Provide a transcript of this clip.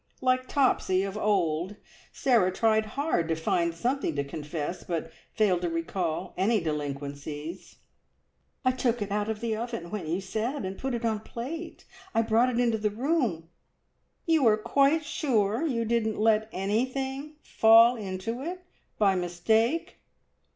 Like Topsy of old, Sarah tried hard to find something to confess, but failed to recall any delinquencies. "I took it out of the oven when you said, and put it on a plate. I brought it into the room " "You are quite sure you didn't let anything fall into it by mistake?"